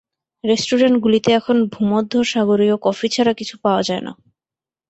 রেস্টুরেন্টগুলিতে এখন ভূমধ্যসাগরীয় কফি ছাড়া কিছু পাওয়া যায় না।